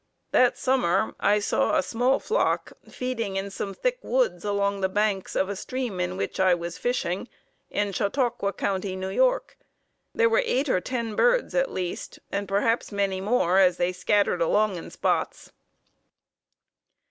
That summer I saw a small flock feeding in some thick woods along the banks of a stream in which I was fishing, in Chautauqua County, N. Y. There were eight or ten birds at least, and perhaps many more, as they scattered along in spots."